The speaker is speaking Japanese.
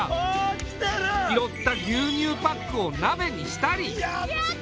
拾った牛乳パックを鍋にしたり。